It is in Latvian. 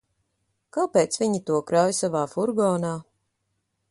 Kāpēc viņa to krauj savā furgonā?